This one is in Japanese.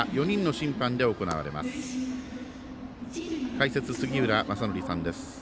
解説、杉浦正則さんです。